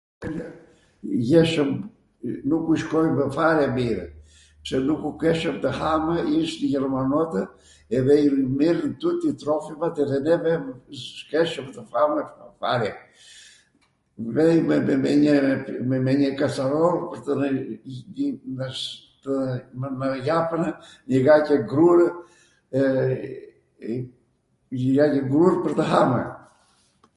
jeshwm, nuku shkojmw fare mirw, pse nuku keshwm tw hamw, ishn Jermanotw, edhe i mirnw tuti trofimat edhe neve s'keshwm tw hamw fare. Vejmw me njw me njw kacaroll pwr tw mw japwnw lighaqw grurw, lighaqw grur pwr tw hamw.